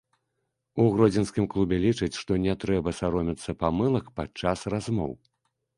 У гродзенскім клубе лічаць, што не трэба саромецца памылак падчас размоў.